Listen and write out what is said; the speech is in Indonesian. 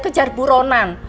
kejar bu ronan